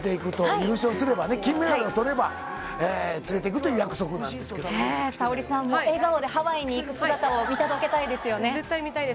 優勝すれば、金メダルを取れば連れていくという約束なんですが、沙保里さんも笑顔でハワイに行く姿を見届けたいですよね。